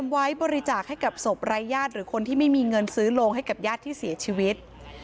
ไว้บริจาคให้กับศพรายญาติหรือคนที่ไม่มีเงินซื้อโรงให้กับญาติที่เสียชีวิต